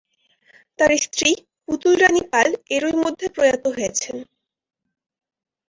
তার স্ত্রী পুতুল রাণী পাল এরই মধ্যে প্রয়াত হয়েছেন।